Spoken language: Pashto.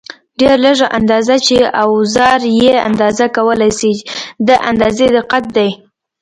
ډېره لږه اندازه چې اوزار یې اندازه کولای شي د اندازې دقت دی.